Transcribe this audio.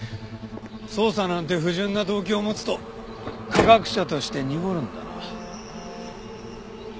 捜査なんて不純な動機を持つと科学者として濁るんだな。